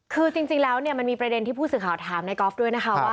คือจริงแล้วมันมีประเด็นที่ผู้สื่อข่าวถามนายก๊อฟด้วยนะครับ